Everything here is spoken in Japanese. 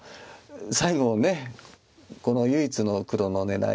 最後この唯一の黒の狙い。